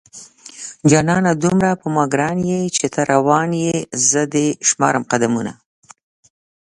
جانانه دومره په ما گران يې چې ته روان يې زه دې شمارم قدمونه